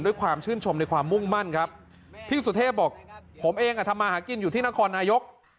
ด้วยความชื่นชมในความมุ่งมั่นครับพี่สุเทพบอกผมเองอ่ะทำมาหากินอยู่ที่นครนายก